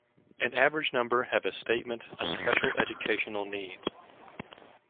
An average number have a statement of Special Educational Needs.